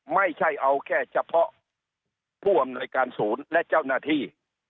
ไม่ใช่เอาแค่เฉพาะผู้อำนวยการศูนย์และเจ้าหน้าที่